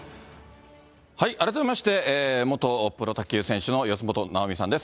改めまして、元プロ卓球選手の四元奈生美さんです。